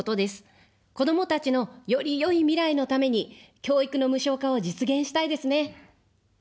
子どもたちのよりよい未来のために、教育の無償化を実現したいですね。